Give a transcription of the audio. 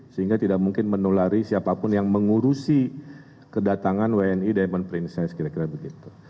sehingga tidak mungkin menulari siapapun yang mengurusi kedatangan wni diamond princes kira kira begitu